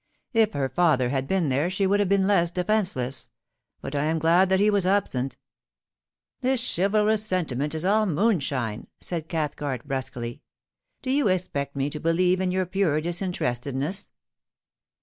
* If her father had been there she would have been less defenceless ; but I am glad that he was absent/ * This chivalrous sentiment is all moonshine !' said Cath cart, brusquely. * Do you expect me to believe in your pure disinterestedness